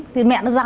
thì mẹ nó ra